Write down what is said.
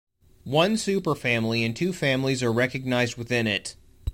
One superfamily and two families are recognised within it.